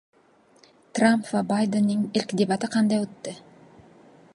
Tramp va Baydenning ilk debati qanday o‘tdi?